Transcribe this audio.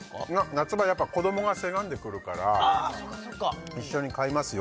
夏場やっぱ子どもがせがんでくるから一緒に買いますよ